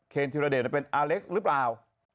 ธิรเดชเป็นอาเล็กซ์หรือเปล่า